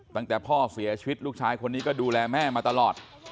ตั้งแต่พ่อเสียชีวิตลูกชายคนนี้ก็ดูแลแม่มาตลอด